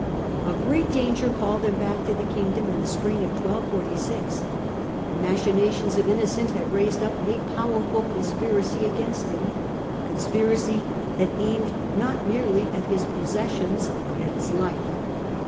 A great danger called him back to the Kingdom in the spring of 1246. The machinations of Innocent had raised up a powerful conspiracy against him, a conspiracy that aimed not merely at his possessions but at his life.